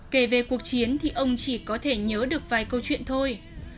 kể về cuộc chiến thì ông chỉ có thể nhớ được vài câu chuyện thôi